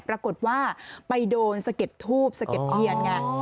ปรากฏว่าไปโดนสะเก็ดทูบสะเก็ดเอียนไง